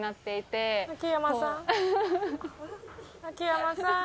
秋山さん。